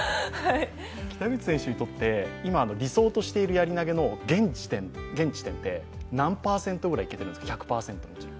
北口選手にとって今、理想としているやり投げの、現時点で何％ぐらいいけてるんですか、１００％中で。